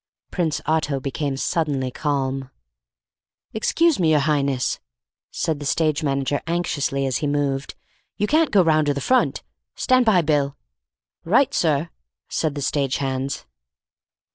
Prince Otto became suddenly calm. "Excuse me, your Highness," said the stage manager anxiously, as he moved, "you can't go round to the front. Stand by, Bill." "Right, sir!" said the stage hands.